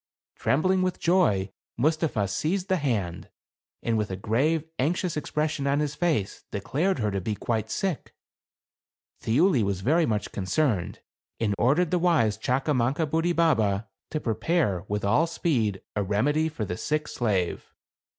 Trembling with joy, Mustapha seized the hand, and with a grave, anxious expression on his face, declared her to be quite sick. Thiuli was very much concerned, and ordered the wise Chaka THE CAliA VAN. 179 mankabudibaba to prepare, with all speed, a remedy for the sick slave.